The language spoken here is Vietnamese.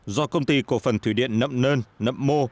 do công ty cổ phần thủy điện nấm nơn nấm mô